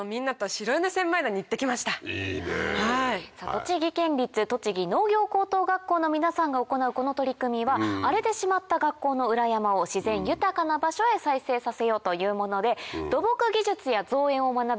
栃木県立栃木農業高等学校の皆さんが行うこの取り組みは荒れてしまった学校の裏山を自然豊かな場所へ再生させようというもので土木技術や造園を学ぶ環境